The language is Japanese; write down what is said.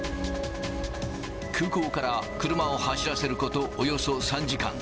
空港から車を走らせることおよそ３時間。